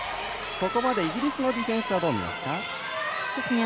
ここまでイギリスのディフェンスはどう見ますか？